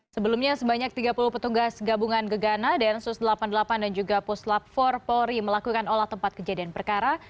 sebelumnya sebanyak tiga puluh petugas gabungan gegana densus delapan puluh delapan dan juga puslap empat polri melakukan olah tempat kejadian perkara